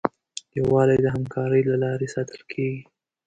یووالی د همکارۍ له لارې ساتل کېږي.